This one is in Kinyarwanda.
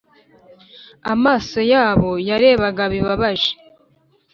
amaso yabo yarebaga bibabaje.